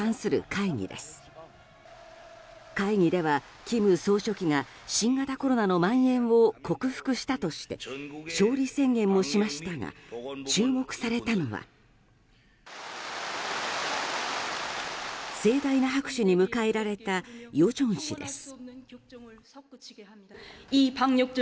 会議では金総書記が新型コロナのまん延を克服したとして勝利宣言をしましたが注目されたのは盛大な拍手に迎えられた与正氏です。